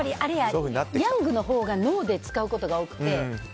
ヤングのほうがノーで使うことが多くて。